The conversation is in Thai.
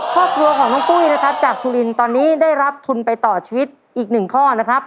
ครอบครัวของน้องปุ้ยนะครับจากสุรินตอนนี้ได้รับทุนไปต่อชีวิตอีกหนึ่งข้อนะครับ